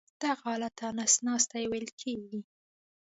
دغه حالت ته نس ناستی ویل کېږي.